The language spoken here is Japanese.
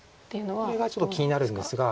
これがちょっと気になるんですが。